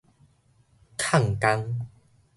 曠工